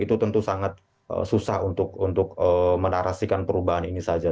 itu tentu sangat susah untuk menarasikan perubahan ini saja